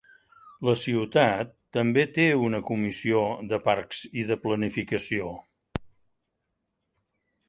La ciutat també té una comissió de parcs i de planificació.